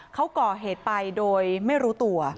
เขาก่อเหตุไปโดยไม่รู้ตัว